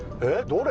どれ？